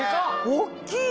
大っきい！